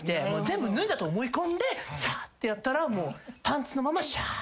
全部脱いだと思い込んでさーってやったらパンツのまましゃー。